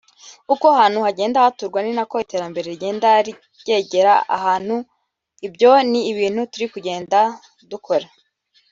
uko ahantu hagenda haturwa ni ko iterambere rigenda ryegera ahantu ibyo ni ibintu turi kugenda dukora